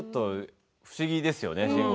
不思議ですよね。